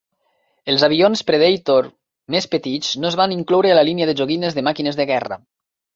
Els avions Predator més petits no es van incloure a la línia de joguines de màquines de guerra.